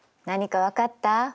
何か分かった？